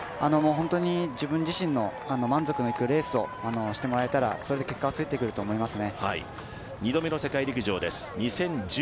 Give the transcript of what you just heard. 本当に自分自身の満足のいくレースをしてもらえたらそれで結果はついてくると思います。